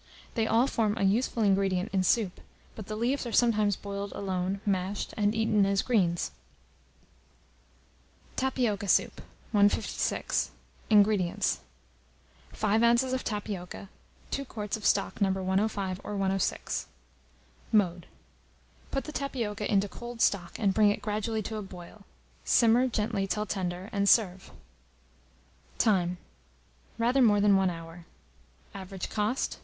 They all form a useful ingredient in soup; but the leaves are sometimes boiled alone, mashed, and eaten as greens. TAPIOCA SOUP. 156. INGREDIENTS. 5 oz. of tapioca, 2 quarts of stock No. 105 or 106. Mode. Put the tapioca into cold stock, and bring it gradually to a boil. Simmer gently till tender, and serve. Time. Rather more than 1 hour. Average cost.